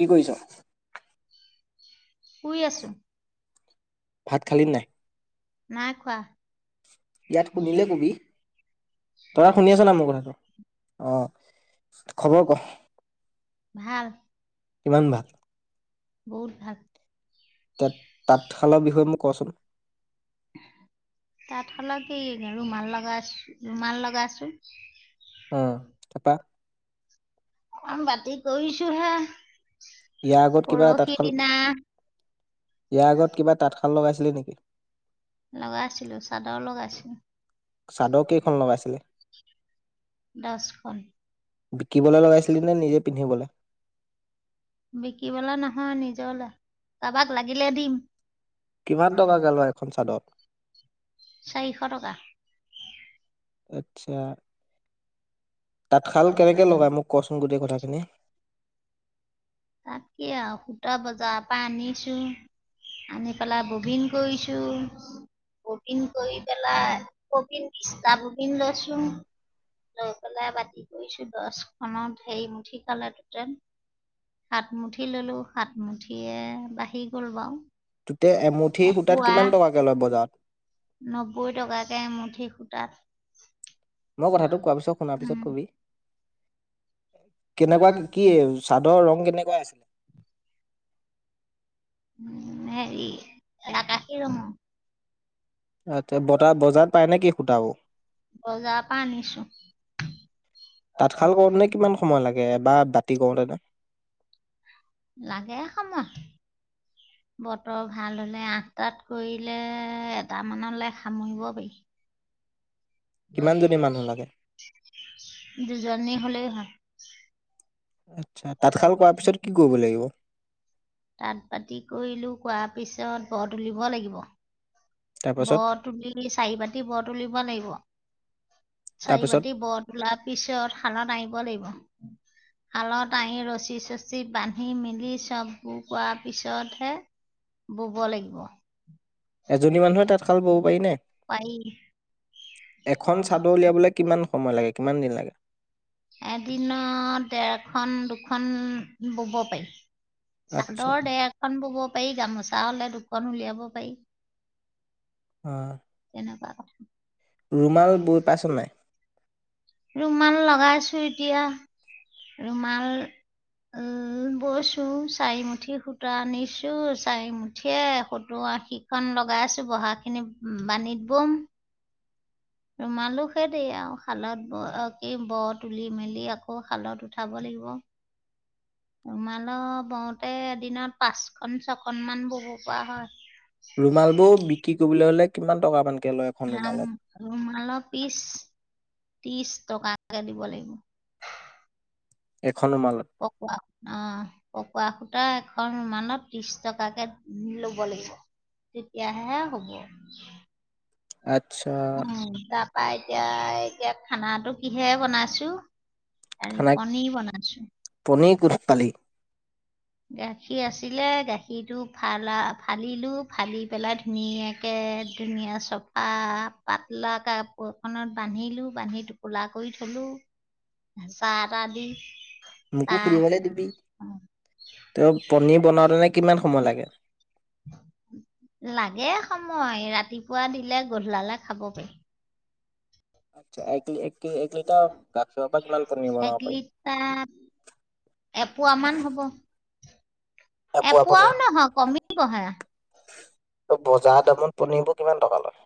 কি কৰিছ? শুই আছো। ভাত খালি নাই? নাই খোৱা। ইয়াত শুনিলে কবি। তাৰ শুনি আছ না মোৰ কথাটো? অ' খবৰ ক? ভাল। কিমান ভাল? বহুত ভাল। তত-তাঁতশালৰ বিষয়ে মোক কচোন? তাত হলেও কি? ৰুমাল লগাছ-ৰুমাল লগাছো। অহ' তাপা? আম বতি কৰিৈছো হে, ইয়াৰ আগত কিবা এ ততকাল ইয়াৰ আগত কিবা তাঁতশাল লগাইছিলি নেকি? লগাই আছিলো, চাদৰ লগাইছো। চাদৰ কেইখন লগাইছিলি? দহখন বিকিবলে লগাইছিলি নে নিজে পিন্ধিবলৈ? বিকিবলৈা নহয় নিজৰলৈ, কাৰোবাক লাগিলে দিম। কিমান টকাকে লয় এখন চাদৰ? চাৰিশ- টকা। আচ্ছা, - তাঁতশাল কেনেকে লগাই, মোক কোৱাচোন গোটেই কথাটো? এনে, তাত কি আৰু সূতা বজাৰ পৰা আনিছো, আনি পেলাই ববিন কৰিছো, ববিন কৰি পেলাই ববিন বিশটা ববিন লৈছো, লৈ পেলাই বাতি কৰিছো দছখনত হেৰি মুঠি খালে টুটেল। সাত -মুঠি ললো সাতমুঠিয়ে বাঢ়ি গল বাৰু। তুতে এমুঠি সূতাত পুৱা কিমান টকাকে লয় বজাৰত? নব্বৈ টকাকে এমুঠি সুতাত। মই', কথাটো কোৱা পিছত, শুনাৰ পিছত কবি। কেনেকুৱা কি- কি চাদৰ ৰং কেনেকুৱা আছে? উম ', হেৰি আকাশী - ৰঙৰ। এতে বতাহ কি বজাৰত পাই নে কি সুতাবোৰ। বজাৰৰ পৰা আনিছো তাঁতশাল কৰোতেনো কিমান সময় লাগে? বা, তিগৰ দাদা, লাগে সময়, বতৰ ভাল হলে ', -আঠটাত কৰিলে- এটা মানলৈ সামৰিব পাৰি। কিমানজনী মানুহ লাগে? দুজনী, হলেই হয়। আচ্ছা তাঁতশাল কৰাৰ পিছত কি কৰিব লাগিব? তাঁত-পাতি কৰিলো কোৱাৰ পিছত, তাত বৰ তুলিব লাগিব। তাৰপাছত বৰ তুলি, চাৰি বাতি, বৰ তুলিব লাগিব। চাৰি তাৰপিছত বাতি, বৰ তোলা পিছত শালত আহিব। [unintelligible] তাঁই ৰচী- চচি বান্ধি মেলি, চববোৰ কৰোৱাৰ পিছতহে বোব লাগিব। এজনী মানুহে তাঁতশাল বব পাৰি নে? পাৰি এখন চাদৰ উলিয়াবলৈ কিমান সময়, -ময় লাগে, কিমান দিন লাগে? এদিনত ডেৰখন -দুখন বুব পাৰি। আচ্ছা চাদৰ দেৰখন বোব পাৰি। পাৰি, গামোচা হ'লে দুখন উলিয়াব পাৰি। আঃ [unintelligible] ৰুমাল বৈ পাইছ, নাই? ৰুমাল লগাইছো এতিয়া, ৰুমাল বৈছো চাৰিমুঠি সূতা আনিছো চাৰিমুঠিয়ে সত্ত্বৰ -আশিখন লগাই আছো বহা খিনি বানীত বম। ৰুমালো সেই দেই আৰু শালত ব, কি বৰ তুলি মেলি আকৌ শালত উঠাব লাগিব। ৰুমাল বওঁতে এদিনত পাঁচখন- ছখনমান বব পৰা হয়। ৰুমাল বোৰ বিক্ৰী কৰিবলৈ হ'লে কিমান টকামান, ৰাম ৰৰুমাল পিছ ত্ৰিশ টকাকে দিব লাগিব। এখন ৰুমালত পকোৱা অ পকোৱা। এখন মানত ত্ৰিশ টকাকে ল'ব লাগিব তেতিয়াহে হ'ব। আচ্ছা। পাই এতিয়া এতিয়া খানাটো কিহে বনাইছো। আৰু এই খানা পনীৰ বনাইছো। পনীৰ ক'ত পালি? গাখীৰ আছিলে গাখীৰটো ফালা ফালিলো ফালি পেলাই ধুনীয়াকে ধুনীয়া চফা পাতলা কাপোৰখনত বান্ধিলো বান্ধি টোপোলা কৰি থলো হেঁচা এটা দি। মোকো তাৰ খৰিিবাল তুমি তেওঁ পনিৰ বনাওতেনো কিমান সময় লাগে। লাগে সময় ৰাতিপুৱা দিলে গধলালে খাব পাৰি। আচ্ছা এক এ লিটাৰৰ গাখীৰৰ পৰা কিমান পনীৰ এক বনাব লিটাৰ এপোৱামান পাৰি। হ'ব এপোৱা পনীৰ এপোৱাও নহয় কমিবহে। ত' বজাৰ দামত পনীৰবোৰ কিমান টকা লয়।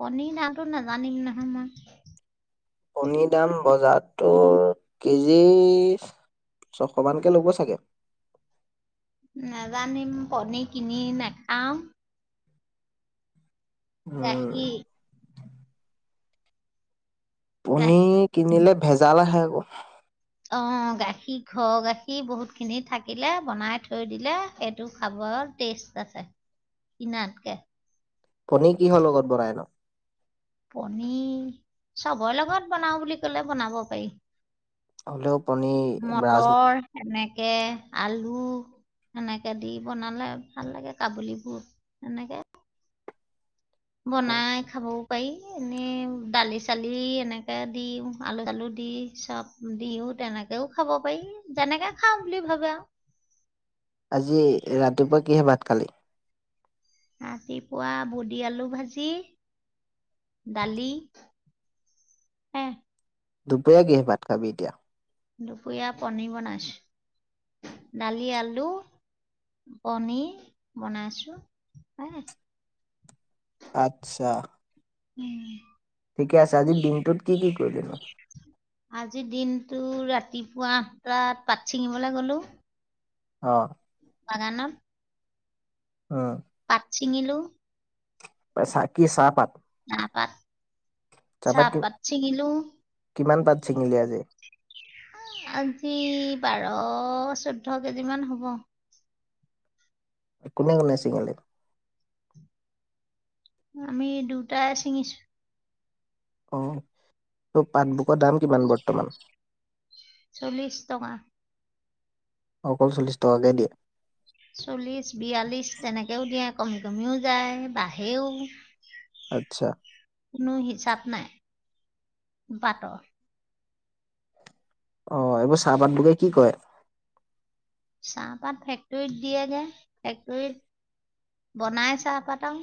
কনীৰ নটো নাজানিম নহয় মই কণীৰ দাম বজাৰত। তোৰ কেজি। ছশ মানকে লব চাগে। নাজানিম পনী কিনি নাখাম। উম, ৰাখি। গাখীৰ পনীৰ কিনিলে ভেজাল আহে আকৌ। অ গাখীৰ ঘৰ গাখীৰ বহুত খিনি থাকিলে বনাই থৈ দিলে সেইটো খাবৰ টেষ্ট আছে কিনাতকে। পনীৰ কিহৰ লগত বনাই নু। পনীৰ চবৰে লগত বনাও বুলি ক'লে বনাব পাৰি। হ'লেও পনীৰ ৰাজ মটৰ সেনেকে। কে আলু সেনেকে দি বনালে ভাল লাগে কাবুলীবুট সেনেকৈ। বনাই খাবও পাৰি। এনেই দালি চালি এনেকে দিও আলু চালু দি চব দিও তেনেকেও খাব পাৰি যেনেকে খাওঁ বুলি ভাবে আৰু আজি ৰাতিপুৱা কিহে ভাত কালি ৰাতিপুৱা পুৰি আলু ভাজি দালি হে। দুপৰিয়া কিহেদি ভাত খাবি এতিয়া। দুপৰীয়া পনীৰ বনাইছো দালি আলু পনীৰ বনাইছো হ। আচ্ছা। উ'ম ঠিকে আছে আজিৰ দিনটোত কি কি কৰিলি নু। আজিৰ দিনটো ৰাতিপুৱা আঠটাত পাত ছিঙিবলৈ গলো। অ', বাগানত। অ'হ পাত ছিঙিলো। চাহ কি চাহপাত। চাহপাত চাহ কি পাত চিঙিলো। কিমান পাত ছিঙিলি আজি? আজি বাৰ চৈধ্য কেজি মান হ'ব। কোনে কোনে ছিঙিলে। আমি দুটাই ছিঙিছো। অ'হ ত' পাাটবুকৰ দাম কিমান বৰ্তমান? চল্লিশ টকা অকল চল্লিশ টকাকে দিয়ে। চল্লিশ, বিয়াল্লিশ তেনেকেও দিয়ে। অ' [unintelligible] তুমিও যায় বাহে। এৰ ও আচ্ছা। কোনো হিচাপ নাই। বাটৰ অ', এইবোৰ চাহপাত পাতবোৰ কি কয়? চাহপাত ফেক্টৰীত দিয়েগে ফেক্টৰীত বনাই চাহপাত আৰু।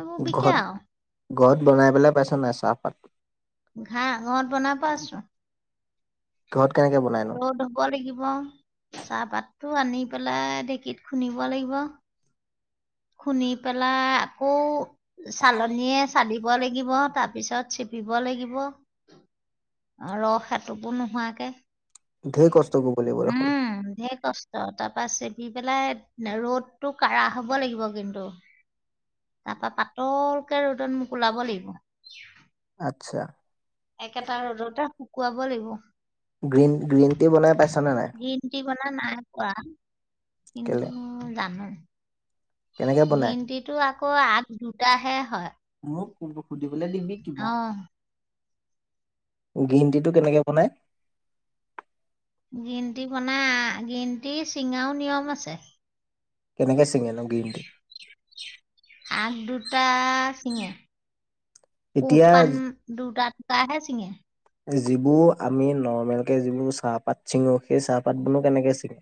এইবোৰ বিকে আৰু ঘৰত-ঘৰত বনাই পেলাই পাইছ নাই চাহপাত? ঘাঁ ঘৰত বনাবই পাইছোঁ। ঘৰত কেনেকে বনাই নো আৰু ধুব লাগিব। চাহপাতটো আনি পেলাই ঢেঁকীত খুন্দিব লাগিব। খুন্দি পেলাই আকৌ চালনীয়ে চালিব লাগিব তাৰ পিছত চিপিব লাগিব ৰস এতোপো নোহোৱাকে। ধেৰ কষ্ট কৰিব লাগিব দেখোন। ত তাৰ পৰা চেপি পেলাই ৰ'দটো কাঢ়া হব লাগিব কিন্তু তাৰ পৰা পাতলকে ৰ'দ ৰদত মোকওলাব লাগিব আচ্ছা একেটা ৰ'দতে শুকুৱাব লাগিব। গ্ৰীণ গ্ৰীণ টি বনাই পাইছানে নাই গ্ৰীণ টি বনাই নাই পোৱা। কিন্তু কেলে জানো। কেনেকে বনাই গ্ৰীণটিটো আকৌ আগ দুটাহে হয়। মোক সুধিবলৈ দিবি কিবা আহ, গ্ৰীণ টি টো কেনেকে বনাই? গ্ৰীণ টি বনাই গ্ৰীণ টি চিঙাও নিয়ম আছে। কেনেকে চিঙে নো গ্ৰীণ টি আগ দুটা ছিঙে। এতিয়া পোহপান দুটাত কাহে চিঙে। যিবোৰ আমি নৰ্মেল যিবোৰ চাহপাত চিঙো সেই চাহপাত বোৰো কেনেকে চিঙে?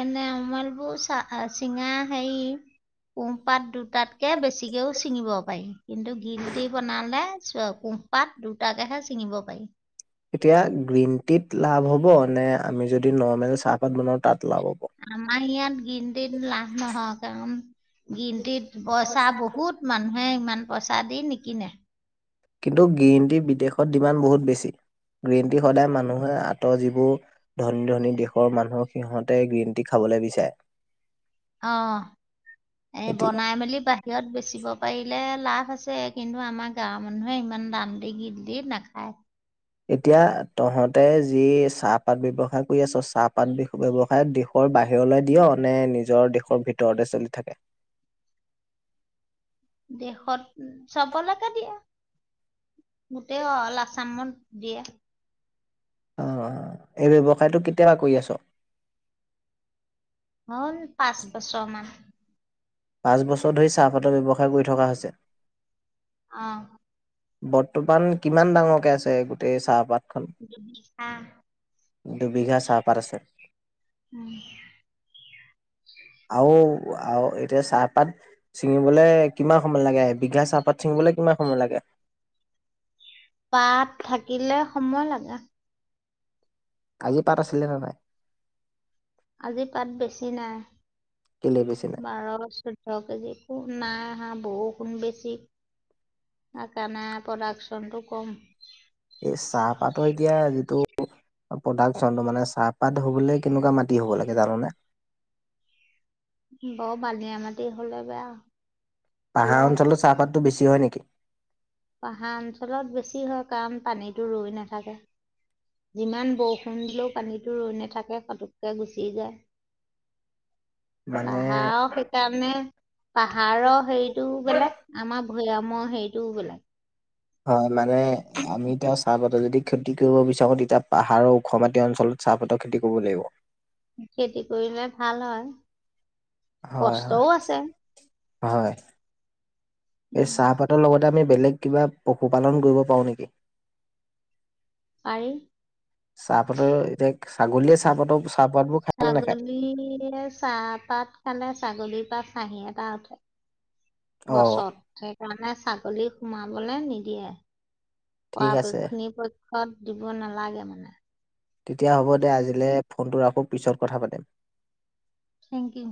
এনে অমালবু চ চিঙা সেই কোমপাত দুটাতকে বেছিকেও ছিঙিব পাৰি কিন্তু গ্ৰীণটি বনালে চোৱা কুমপাত দু এতিয়া গ্ৰীণ টিত লাভ হ'ব। নে আমি যদি নৰ্মেল চাহপাত বনাও তাত লাভ হ'ব আমাৰ ইয়াত ইন গ্ৰীণটিত লাভ নহয় কাৰণ গ্ৰীণটিত পইচা বহুত মানুহে ইমান পইচা দি।। কিনা কিন্তু গ্ৰীণ টি বিদেশত ডিমাণ্ড বহুত বেছি গ্ৰীণ টি সদায় মানুহে আ যিবোৰ ধনী ধনী দেশৰ মানুহক সিহঁতে গ্ৰীণ টি খাবলৈ বিচাৰে।। অ এ এতি বনাই মেলি বাহিৰত বেচিব পাৰিলে লাভ হৈছে কিন্তু আমাৰ গাঁৱৰ মানুহে ইমান দান দি গীত দি নাখায়। এতিয়া তহঁত ততে যি চাহপাত ব্যৱসায় কৰি আছ চাহপাত ব্যৱসায় দেশৰ বাহিৰলৈ দিয় নে নিজৰ দেশৰ ভিতৰতে চলি থাকে? দেশত চবলৈকে দিয়ে গোটেই অল আছামত দিয়ে। অ এই ব্যৱসায়টো তই কৰি আছ? হ'ল পাঁচ বছৰ মান। পাঁচ বছৰ ধৰি চাহপাতৰ ব্যৱসায় কৰি থকা হৈছে। অ বৰ্তমান কিমান ডাঙৰকে আছে গোট? তে চাহ পাত দুবিঘা চাহপাত আছে। আহ-উম আৰু - আৰু এই এতিয়া চাহপাত চিঙিবলে কিমান সময় লাগে, এক বিঘা চাহপাত চিঙিবলৈ কিমান সময় লাগে? তাত থাকিলে সময় লাগে আজি পাত আছিলে নেনাই আজি পাত বেছি নাই কেলে বেছি নাই বাৰ চৈধ্য কেজি একো নাই হা বহু।। গুণ বেছি সেইকাৰণে প্ৰডাকচন টো কম। এই চাহপাতৰ এতিয়া যিটো প্ৰডাকচনটো, মানে চাহপাত হবলৈ।। কেনেকুৱা মাটি হ'ব লাগে জাননে বৰ বালিয়া মাটি হলে বেয়া পাহাৰ অঞ্চলত অলপ চাহপাততটো বেছি হয় নেকি? পাহাৰ অঞ্চলত বেছি হয় কাৰণ পানীতো ৰই নাথাকে। যিমান বৰষুণ দিলেও পানীটো ৰৈ নাথাকে পোতককৈ গুচি যায়। মানে পাহাৰৰ সেইকাৰণে পাহাৰৰ হেৰিতটো বেলেগ আমাৰ ভৈয়ামৰ হেইৰিটোও বেলেক হয় মানে আমিত চাহপাতৰ যদি খেতি কৰিব বিচাৰো তেতিয়া পাহাৰৰ ওখ মাতীয় অঞ্চলত চাহপাতৰ খেতি কৰিব লাগিব। খেতি কৰিলে ভাল হয়। হয় কষ্টও হয় আছে। হয় এই চাহপাতৰ লগতে আমি বেলেগ কিবা পশুপালন কৰিব পাৰো নেকি? পাৰি চাহপাতৰ [unintelligible] এতিয়া ছাগলীয়ে চাহপাতৰ চাহপাতবোৰ খায় নে নাখায়? ছাগলীয় চাহপাত খালে। ছাগলীৰ পৰা চাহী এটা উঠে। অ বছত স [unintelligible] জানে ছাগলী সোমাবলে নিদিয়ে। ঠিক আছে। অপুনি প ষত দিব নালাগে মানে? তেতিয়া হ'ব দে আজিলে ফোনটো ৰাখ কৌ পিছত কথা পাতিম। Thank U.